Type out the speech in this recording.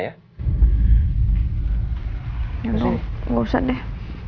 ya udah ga usah deh